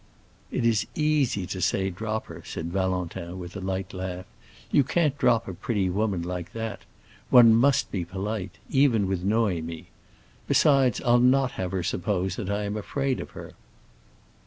"It is easy to say drop her," said Valentin, with a light laugh. "You can't drop a pretty woman like that. One must be polite, even with Noémie. Besides, I'll not have her suppose I am afraid of her."